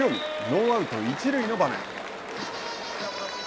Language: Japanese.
ノーアウト、一塁の場面。